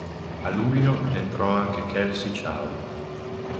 A luglio entrò anche Kelsey Chow.